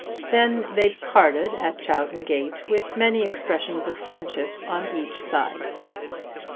Then they parted at Chowton gate with many expressions of friendship on each side.